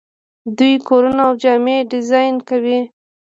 دوی کورونه او جامې ډیزاین کوي.